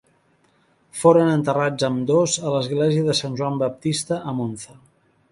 Foren enterrats ambdós a l'església de Sant Joan Baptista a Monza.